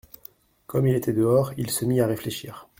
Comme il était dehors, il se mit à réfléchir.